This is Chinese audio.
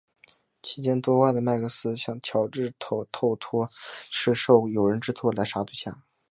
期间多话的麦克斯向乔治透露是受友人之托来杀对象。